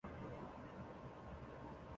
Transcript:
范围包括帕拉州东北部。